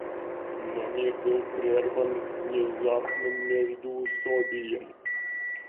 Но мир был прерван незапным междуусобием.